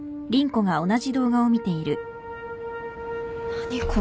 何これ。